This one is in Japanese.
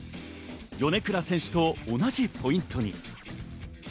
米倉選手と同じポイントに。